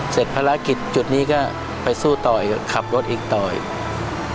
เสร็จภารกิจจุดนี้ก็ไปสู้ต่ออีกขับรถอีกต่ออีก